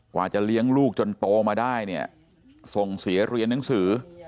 กว่าจะเลี้ยงลูกจนโตมาได้เนี่ยส่งเสียเรียนหนังสือ